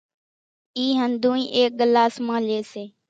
اِي ۿنڌونئين ايڪ ڳلاس مان لي سي،